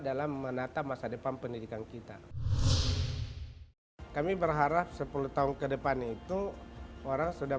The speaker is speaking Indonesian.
dalam menata masa depan pendidikan kita kami berharap sepuluh tahun ke depan itu orang sudah